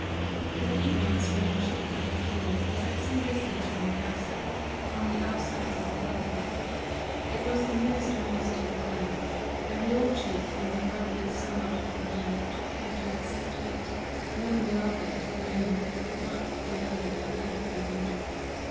The peat moss from which they cut their fuel, was at some distance from the castle, on the outskirts of the hill farm. It was the nearest moss to the glen, and the old chief, when he parted with so much of the land, took care to except it, knowing well that his remaining people could not without it live through a winter.